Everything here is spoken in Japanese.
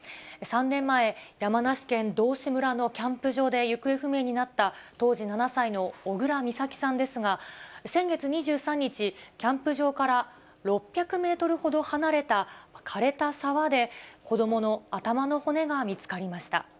３年前、山梨県道志村のキャンプ場で行方不明になった、当時７歳の小倉美咲さんですが、先月２３日、キャンプ場から６００メートルほど離れたかれた沢で、子どもの頭の骨が見つかりました。